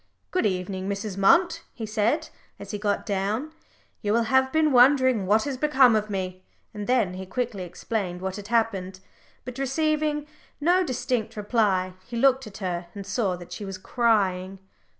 "Good evening, Mrs. Munt," he said, as he got down; "you will have been wondering what has become of me," and then he quickly explained what had happened. But receiving no distinct reply, he looked at her, and saw that she was crying.